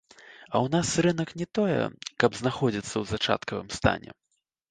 А ў нас рынак не тое, каб знаходзіцца ў зачаткавым стане.